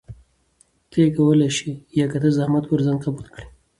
ته يې کولى شې يا که ته زحمت پر ځان قبول کړي؟